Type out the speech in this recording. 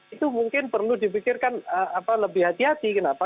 itu mungkin perlu dipikirkan lebih hati hati kenapa